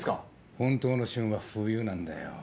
本当の旬は冬なんだよ。